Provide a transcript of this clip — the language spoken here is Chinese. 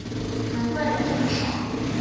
难怪人这么少